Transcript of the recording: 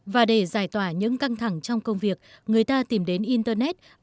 và để giải tỏa những căng thẳng trong công việc người ta tìm đến internet